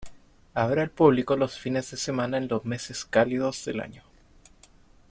Abre al público los fines de semana en los meses cálidos del año.